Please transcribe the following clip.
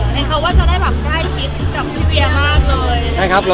แค่เขาว่าจะได้แบบได้คิดกับทีเตียร์มากเลย